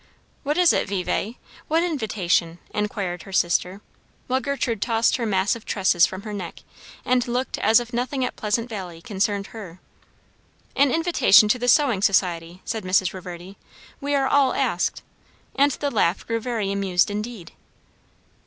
"What is it, Vevay? what invitation?" inquired her sister; while Gertrude tossed her mass of tresses from her neck, and looked as if nothing at Pleasant Valley concerned her. "An invitation to the sewing society!" said Mrs. Reverdy. "We are all asked." And the laugh grew very amused indeed.